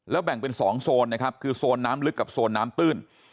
แบ่งเป็น๒โซนนะครับคือโซนน้ำลึกกับโซนน้ำตื้น